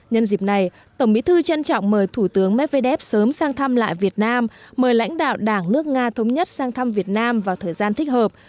nhân dịp này tổng bí thư trân trọng mời thủ tướng medvedev sớm sang thăm lại việt nam mời lãnh đạo đảng nước nga thống nhất sang thăm việt nam vào thời gian thích hợp